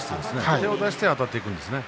手を出してあたっていくんですね。